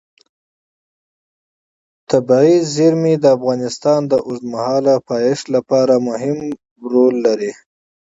طبیعي زیرمې د افغانستان د اوږدمهاله پایښت لپاره مهم رول لري.